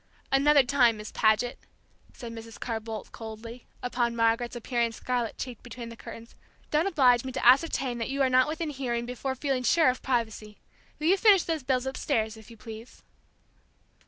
"Another time, Miss Paget," said Mrs. Carr Boldt, coldly, upon Margaret's appearing scarlet cheeked between the curtains, "don't oblige me to ascertain that you are not within hearing before feeling sure of privacy. Will you finish those bills upstairs, if you please?"